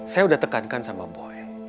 saya udah tekankan sama boy